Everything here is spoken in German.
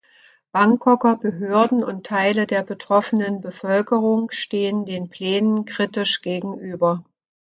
Bangkoker Behörden und Teile der betroffenen Bevölkerung stehen den Plänen kritisch gegenüber.